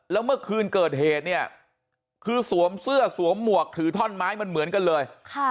แล้วเมื่อคืนเกิดเหตุเนี่ยคือสวมเสื้อสวมหมวกถือท่อนไม้มันเหมือนกันเลย